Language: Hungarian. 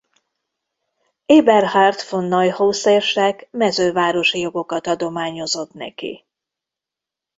Eberhard von Neuhaus érsek mezővárosi jogokat adományozott neki.